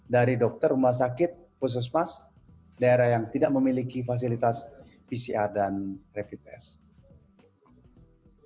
dari dokter rumah sakit khusus mas daerah yang tidak memiliki fasilitas pcr dan rapid test